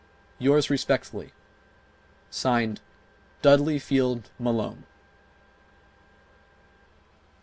Yours respectfully, (Signed) DUDLEY FIELD MALONE.